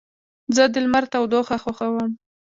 زه د لمر تودوخه خوښوم.